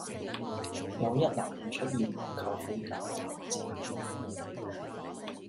有一男人出現和舅父交頭接耳